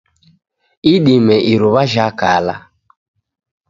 Idime iruwa jhakala.